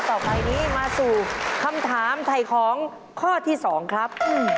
ต่อไปนี้มาสู่คำถามไถ่ของข้อที่๒ครับ